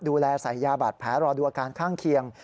ดูแลใส่ยาบาดแผลรอดูอาการข้างเคียง